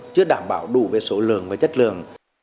chưa đảm bảo đủ về số lượng và chất lượng